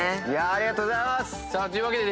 ありがとうございます。